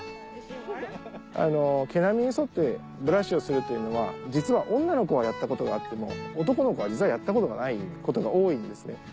毛並みに沿ってブラシをするというのは実は女の子はやったことがあっても男の子は実はやったことがないことが多いんですね。